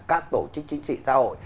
các tổ chức chính trị xã hội